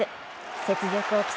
雪辱を期す